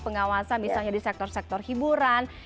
pengawasan misalnya di sektor sektor hiburan